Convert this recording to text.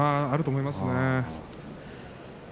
あると思いますね。